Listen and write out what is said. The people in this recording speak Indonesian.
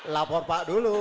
lapor pak dulu